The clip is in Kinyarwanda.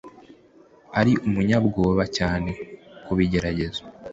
Ari umunyabwoba cyane kubigerageza.